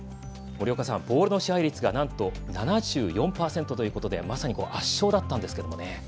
ボールの支配率がなんと７４％ということでまさに圧勝だったんですけども。